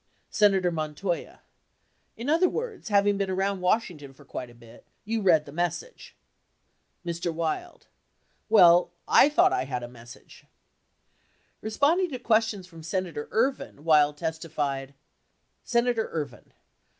Senator Montoya. In other words, having been around Washington for quite a bit, you read the message. Mr. Wild. Well, I thought I had a message . 69 Responding to questions from Senator Ervin, Wild testified: Senator Ervin.